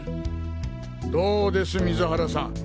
どうです水原さん。